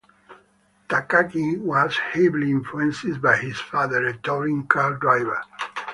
Takagi was heavily influenced by his father, a touring car driver.